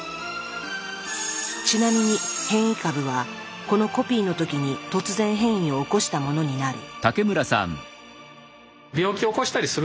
ちなみに変異株はこのコピーの時に突然変異を起こしたものになる。